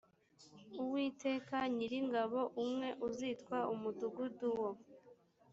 uwiteka nyiringabo umwe uzitwa umudugudu wo